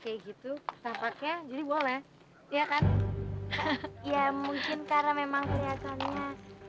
kayak gitu nampaknya jadi boleh ya kan ya mungkin karena memang kelihatannya